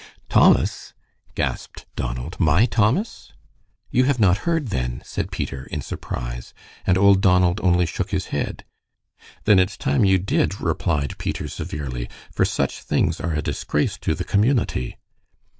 "Thomas?" gasped Donald. "My Thomas?" "You have not heard, then," said Peter, in surprise, and old Donald only shook his head. "Then it's time you did," replied Peter, severely, "for such things are a disgrace to the community."